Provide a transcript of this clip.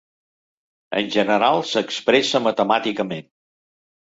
En general, s'expressa matemàticament.